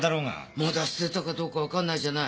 まだ捨てたかどうかわかんないじゃない。